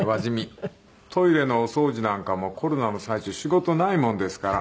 トイレのお掃除なんかもコロナの最中仕事ないもんですから。